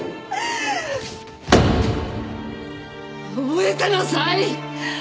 覚えてなさい！